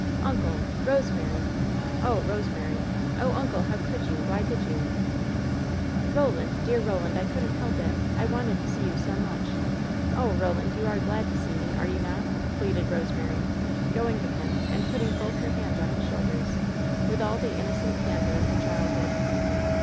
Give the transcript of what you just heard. "Uncle! Eosemary! Oh, Eosemary! Oh, uncle, how could you ? Why did you ?" "Eoland! Dear Eoland! I couldn't help it! I wanted to see you so much ! Oh, Eolandj you are glad to see me, are you not?" pleaded Eosemary, going to him and putting both her hands on his shoulders, with all the innocent candor of her childhood.